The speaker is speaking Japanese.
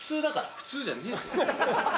普通じゃねえぞ。